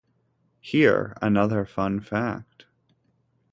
Here another fun fact.